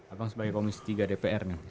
apakah sebagai komisi tiga dpr